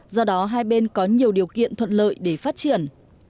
do đó hai bên có nhiều điều kiện thuận lợi để phát triển